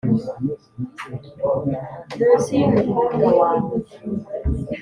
munsi yumukobwa wawe